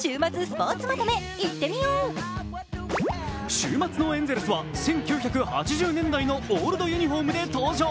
週末のエンゼルスは１９８０年代のオールドユニフォームで登場。